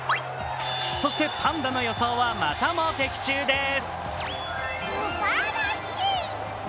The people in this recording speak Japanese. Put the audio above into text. そしてパンダの予想はまたも的中でーす。